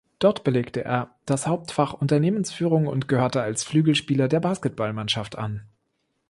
Dort belegte er das Hauptfach Unternehmensführung und gehörte als Flügelspieler der Basketballmannschaft an.